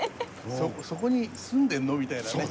「そこに住んでるの？」みたいなね。